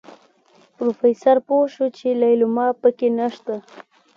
پروفيسر پوه شو چې ليلما پکې نشته.